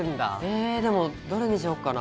えでもどれにしようかな？